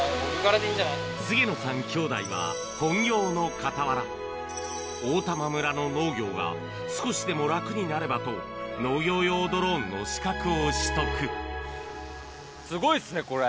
菅野さん兄弟は、本業の傍ら、大玉村の農業が少しでも楽になればと、農業用ドローンの資格を取すごいっすね、これ。